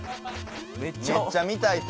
めっちゃ見たいって。